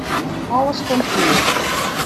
Alles komt klear.